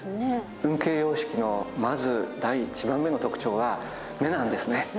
運慶様式のまず第１番目の特徴は目なんですね。